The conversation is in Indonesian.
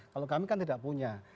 kalau kami kan tidak punya